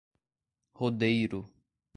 Rodeiro